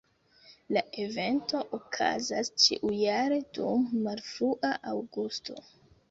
La evento okazas ĉiujare dum malfrua aŭgusto.